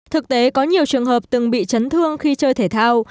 thực tế có nhiều trường hợp từng bị chấn thương khi chơi thể thao